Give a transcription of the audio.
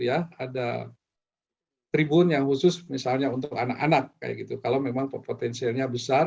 ada tribun yang khusus misalnya untuk anak anak kayak gitu kalau memang potensialnya besar